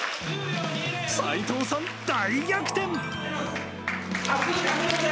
齋藤さん、大逆転。